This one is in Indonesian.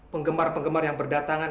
penggemar penggemar yang berdatangan